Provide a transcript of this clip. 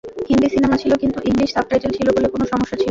Hindi cinema ছিল কিন্তু English subtitle ছিল বলে কোনো সমস্যা ছিল না।